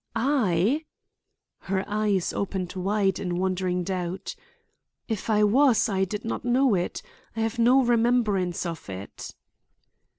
"I?" Her eyes opened wide in wondering doubt. "If I was, I did not know it. I have no remembrance of it."